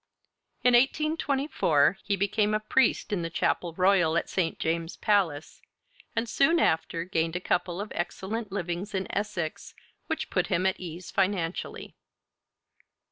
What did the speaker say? In 1824 he became a priest in the Chapel Royal at St. James's Palace, and soon after gained a couple of excellent livings in Essex, which put him at ease financially.